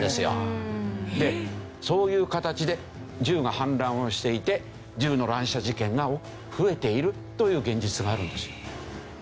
そういう形で銃が氾濫をしていて銃の乱射事件が増えているという現実があるんです。